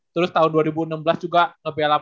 terus tahun dua ribu enam belas juga ngebelap